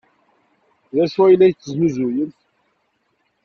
D acu ay la tesnuzuyem?